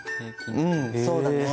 うんそうだね。